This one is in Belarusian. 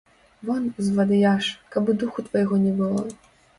Вон, звадыяш, каб і духу твайго не было.